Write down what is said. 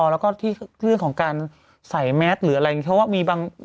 แล้วก็ที่เรื่องของการใส่แมสหรืออะไรอย่างนี้เพราะว่ามีบาง